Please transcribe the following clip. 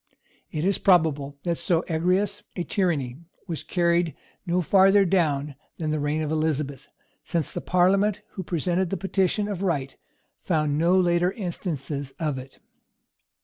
It is probable that so egregious a tyranny was carried no farther down than the reign of Elizabeth; since the parliament who presented the petition of right found no later instances of it.